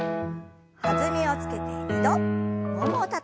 弾みをつけて２度ももをたたいて。